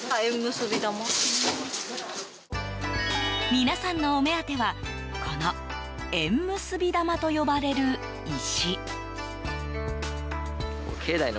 皆さんのお目当てはこの縁結び玉と呼ばれる石。